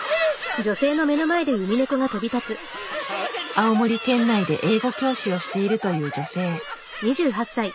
青森県内で英語教師をしているという女性。